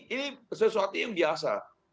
ini sesuatu yang biasa